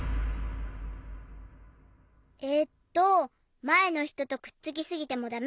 えっとまえのひととくっつきすぎてもだめ。